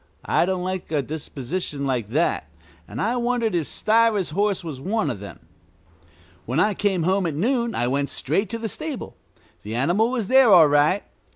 I don't like a disposition like that, and I wondered if Stiver's horse was one of them. When I came home at noon I went straight to the stable. The animal was there all right.